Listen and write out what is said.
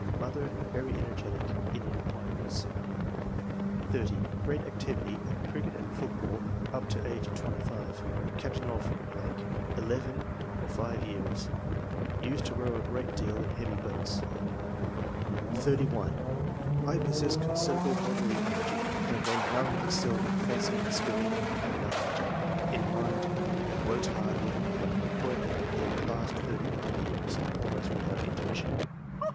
Mother — Very energetic in ... inquiries." 30. " Great activity at cricket and football up to age of twenty five. Captain of .... eleven 92 ENGLISH MEN OF SCIENCE. [chap. for five years ; used to row a great deal in heavy boata" 31. "1 possess considerable bodily energy, and when young excelled in fencing, swimming, and the high jump. In mind — Have worked hard with my brain for the last thirty five years, almost without intermission.